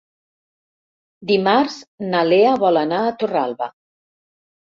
Dimarts na Lea vol anar a Torralba.